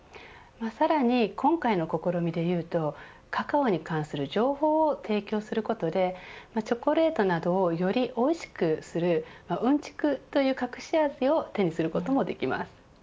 さらに、今回の試みでいうとカカオに関する情報を提供することでチョコレートなどをより美味しくするうんちくという隠し味を手にすることもできます。